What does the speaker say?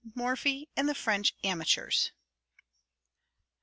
MORPHY AND THE FRENCH AMATEURS.